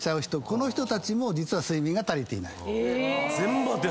この人たちも実は睡眠が足りていない。